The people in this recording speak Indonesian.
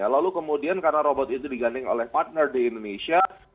lalu kemudian karena robot itu diganding oleh partner di indonesia